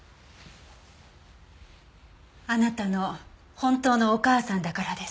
あなたの本当のお母さんだからです。